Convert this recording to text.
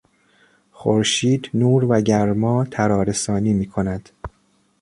خورشید نور و گرما ترارسانی میکند.